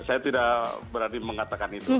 saya tidak berani mengatakan itu